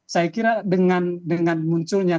saya kira dengan munculnya